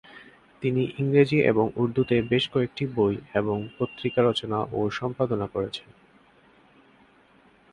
তিনি ইংরেজি এবং উর্দুতে বেশ কয়েকটি বই এবং পত্রিকা রচনা ও সম্পাদনা করেছেন।